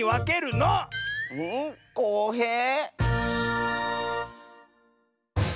こうへい？